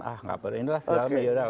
ah nggak perlu inilah selalu